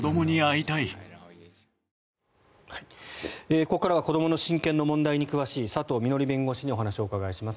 ここからは子どもの親権の問題に詳しい佐藤みのり弁護士にお話をお伺いします。